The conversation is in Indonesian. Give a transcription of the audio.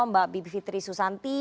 mbak bipi fitri susanti